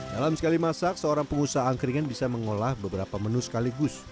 dalam sekali masak seorang pengusaha angkringan bisa mengolah beberapa menu sekaligus